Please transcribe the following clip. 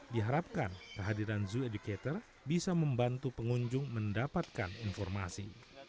diharapkan kehadiran zoo educator bisa membantu pengunjung mendapatkan informasi